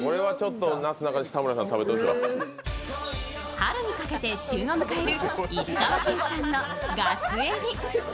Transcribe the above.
春にかけて旬を迎える石川県産のガスエビ。